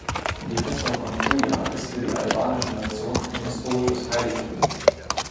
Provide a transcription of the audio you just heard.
Die Festung von Kruja ist für die albanische Nation ein historisches Heiligtum.